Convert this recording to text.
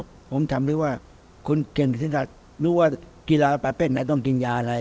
ผมถามได้ว่าคุณเก่งสิทธิ์ทัศน์รู้ว่ากีฬาประเภทไหนต้องกินยาอะไร